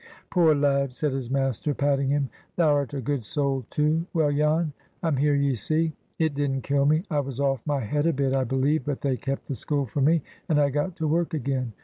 "Poor lad!" said his master, patting him. "Thou'rt a good soul, too! Well, Jan, I'm here, ye see. It didn't kill me. I was off my head a bit, I believe, but they kept the school for me, and I got to work again.